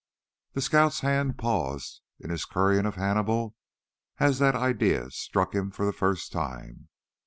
The scout's hand paused in his currying of Hannibal as that idea struck him for the first time.